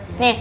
nih enak gak